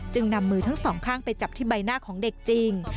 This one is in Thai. นำมือทั้งสองข้างไปจับที่ใบหน้าของเด็กจริง